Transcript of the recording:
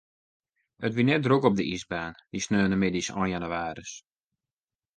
It wie net drok op de iisbaan, dy saterdeitemiddeis ein jannewaarje.